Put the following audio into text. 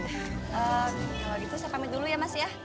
kalau gitu saya pamit dulu ya mas ya